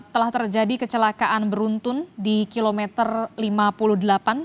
telah terjadi kecelakaan beruntun di kilometer lima puluh delapan